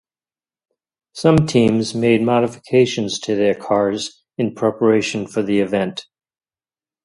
Some teams made modifications to their cars in preparation for the event.